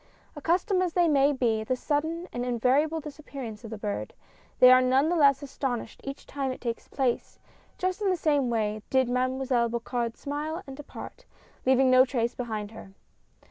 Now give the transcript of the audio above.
Accustomed as they may be at the sudden and invari able disappearance of the bird, they are none the less astonished each time it takes place — just in the same way did Mademoiselle Bocard smile and depart, leaving no trace behind her.